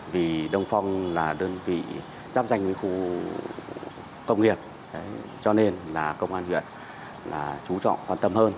vì đông phong là đơn vị giáp danh với khu công nghiệp cho nên là công an huyện là chú trọng quan tâm hơn